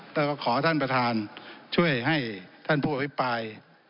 แล้วก็ขอท่านประธานช่วยให้ท่านผู้อภิปราย